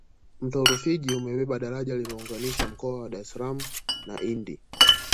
mto rufiji umebeba daraja lilounganisha mkoa ya dar es salaam na indi